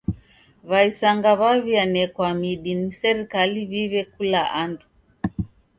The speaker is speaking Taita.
W'aisanga w'aw'ianekwa midi ni serikali w'iw'e kula andu.